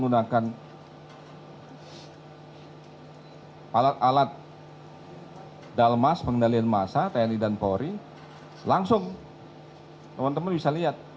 saya akan mencoba